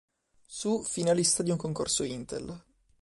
Su, finalista di un concorso Intel.